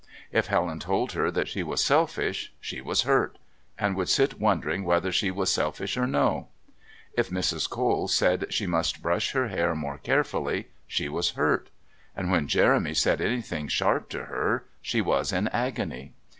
If Helen told her that she was selfish, she was hurt, and would sit wondering whether she was selfish or no. If Mrs. Cole said that she must brush her hair more carefully she was hurt, and when Jeremy said anything sharp to her she was in agony.